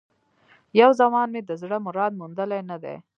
یو زمان مي د زړه مراد موندلی نه دی